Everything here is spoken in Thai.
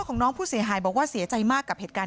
พี่น้องของผู้เสียหายแล้วเสร็จแล้วมีการของผู้เสียหาย